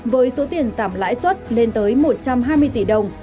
với số tiền giảm lãi suất lên tới một trăm hai mươi tỷ đồng